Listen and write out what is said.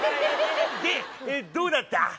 でどうだった？